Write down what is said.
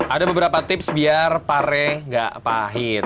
ada beberapa tips biar pare nggak pahit